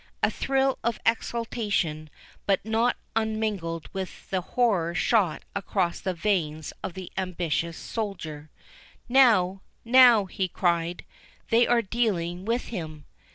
A thrill of exultation, but not unmingled with horror shot across the veins of the ambitious soldier. "Now—now!" he cried; "they are dealing with him!"